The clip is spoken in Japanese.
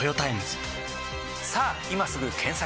さぁ今すぐ検索！